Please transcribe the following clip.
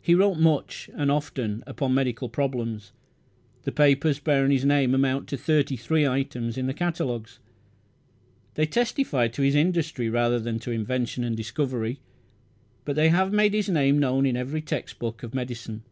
He wrote much, and often, upon medical problems. The papers bearing his name amount to thirty three items in the catalogues. They testify to his industry rather than to invention and discovery, but they have made his name known in every text book of medicine.